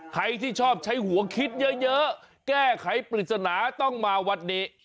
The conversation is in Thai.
ใครที่ชอบใช้หัวคิดเยอะแก้ไขปริศนาต้องมาวัดนี้